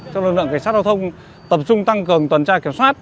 cho lực lượng cảnh sát giao thông tập trung tăng cường tuần tra kiểm soát